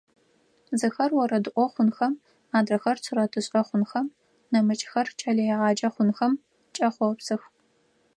Зыхэр орэдыӀо хъунхэм, адрэхэр сурэтышӀэ хъунхэм, нэмыкӀхэр кӀэлэегъаджэ хъунхэм кӀэхъопсых.